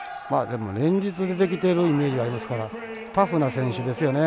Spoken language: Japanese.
でも連日出てきてるイメージありますからタフな選手ですよね。